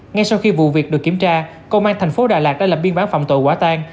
ngay sau khi vụ việc được kiểm tra công an tp đà lạt đã làm biên bán phòng tội quả tăng